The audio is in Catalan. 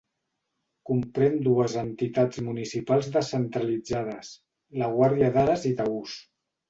Comprèn dues entitats municipals descentralitzades: la Guàrdia d'Ares i Taús.